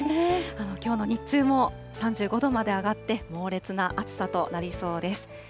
きょうの日中も３５度まで上がって、猛烈な暑さとなりそうです。